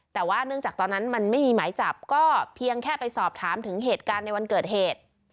แต่ว่าเนื่องจากตอนนั้นมันไม่มีหมายจับก็เพียงแค่ไปสอบถามถึงเหตุการณ์ในวันเกิดเหตุ